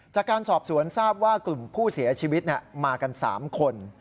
จากการสอบสวนทราบว่ากลุ่มผู้เสียชีวิตมากัน๓คน